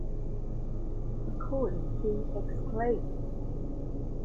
According to Exclaim!